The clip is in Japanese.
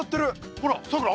ほらさくら